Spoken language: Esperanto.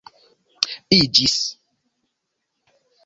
iĝis